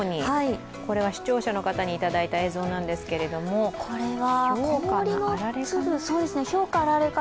これは視聴者の方にいただいた映像なんですけれども、ひょうかあられかな？